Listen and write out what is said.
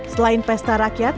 selain pesta rakyat